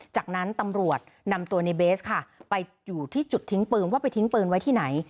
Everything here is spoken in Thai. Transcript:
จากนั้นตำรวจนำตัวในเบสค่ะไปอยู่ที่จุดทิ้งปืนว่าไปทิ้งปืนไว้ที่ไหน